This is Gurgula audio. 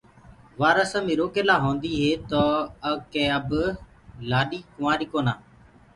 وآ رسم اُرو ڪي لاهونديٚ هي تو ڪي اب لآڏي ڪنوآرئ ڪونآ۔